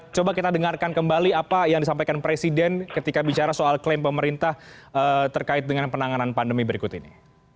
coba kita dengarkan kembali apa yang disampaikan presiden ketika bicara soal klaim pemerintah terkait dengan penanganan pandemi berikut ini